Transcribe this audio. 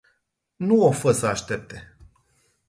Nu o fa sa astepte.